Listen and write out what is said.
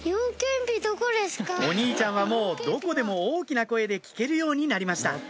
お兄ちゃんはもうどこでも大きな声で聞けるようになりました